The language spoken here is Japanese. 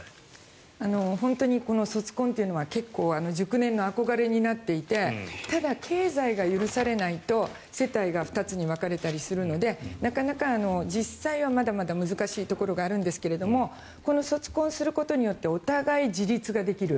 本当に卒婚というのは結構、熟年の憧れになっていてただ、経済が許されないと世帯が２つに分かれたりするのでなかなか実際はまだまだ難しいところがあるんですがこの卒婚をすることによってお互いに自立ができる。